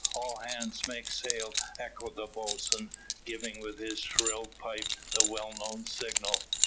"All hands make sail," echoed the boatswain, giving with his shrill pipe the well known signal.